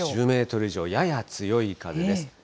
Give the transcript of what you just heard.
１０メートル以上、やや強い風です。